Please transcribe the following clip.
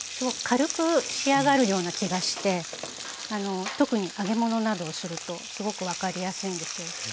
軽く仕上がるような気がして特に揚げ物などをするとすごく分かりやすいんですよ。